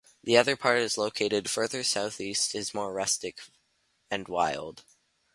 The other part is located further south east is more rustic and wild.